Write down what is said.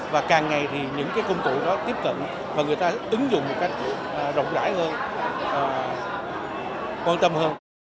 và càng ngày thì những cái công cụ đó tiếp cận và người ta ứng dụng một cách rộng rãi hơn quan tâm hơn